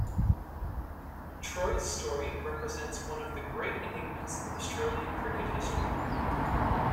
Trott's story represents one of the great enigmas of Australian cricket history.